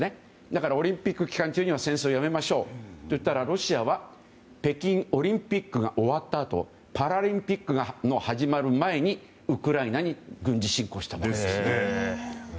だからオリンピック期間中には戦争をやめましょうと言ったらロシアは北京オリンピックが終わったあとパラリンピックが始まる前にウクライナに軍事侵攻したんです。